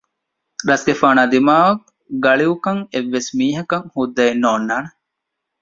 ރަސްގެފާނާ ދިމާއަށް ގަޅިއުކަން އެއްވެސް މީހަކަށް ހުއްދައެއް ނޯންނާނެ